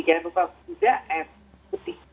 jangan lupa juga air putih